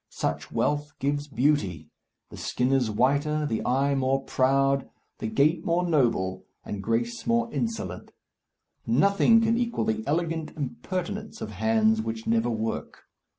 Such wealth gives beauty. The skin is whiter, the eye more proud, the gait more noble, and grace more insolent. Nothing can equal the elegant impertinence of hands which never work.